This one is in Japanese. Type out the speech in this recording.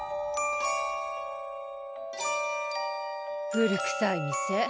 古くさい店。